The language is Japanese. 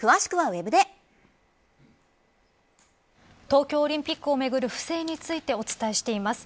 東京オリンピックをめぐる不正についてお伝えしています。